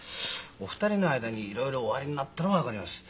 お二人の間にいろいろおありになったのは分かります。